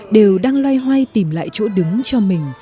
đều đang loay hoay tìm lại chỗ đứng cho mình